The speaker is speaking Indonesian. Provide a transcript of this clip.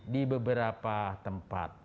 di beberapa kota